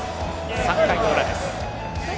３回の裏です。